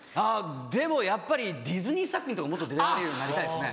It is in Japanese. でもやっぱりディズニー作品もっと出られるようになりたいですね。